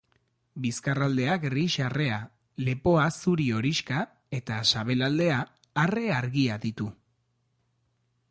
Bizkarraldea gris-arrea, lepoa zuri-horixka eta sabelaldea arre argia ditu.